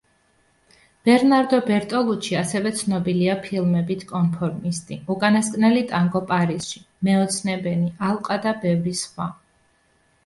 ბერნარდო ბერტოლუჩი ასევე ცნობილია ფილმებით: „კონფორმისტი“, „უკანასკნელი ტანგო პარიზში“, „მეოცნებენი“, „ალყა“ და ბევრი სხვა.